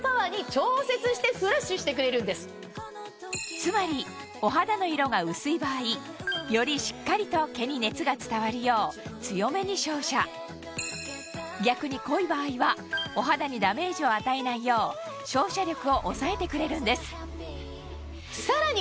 つまりお肌の色が薄い場合よりしっかりと毛に熱が伝わるよう強めに照射逆に濃い場合はお肌にダメージを与えないよう照射力を抑えてくれるんですさらに